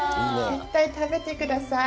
絶対食べてください。